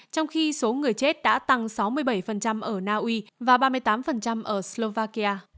trong khi số người chết đã tăng sáu mươi bảy ở naui và ba mươi tám ở slovakia